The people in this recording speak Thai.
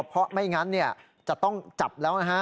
เพราะไม่งั้นจะต้องจับแล้วนะฮะ